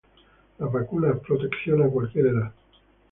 Las vacunas, ¡protección a cualquier edad!